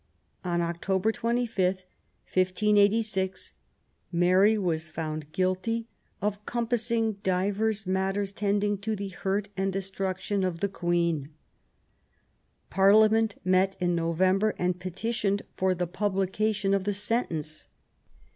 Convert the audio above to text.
On October 25> 1586, Mary was found guilty of " compassing divers matters tending to the hurt and destruction of the Queen". Parliament met in November, and petitioned for the publication of the sentence.